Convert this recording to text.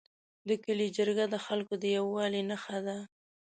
د کلي جرګه د خلکو د یووالي نښه ده.